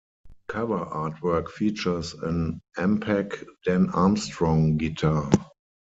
The cover artwork features an Ampeg Dan Armstrong guitar.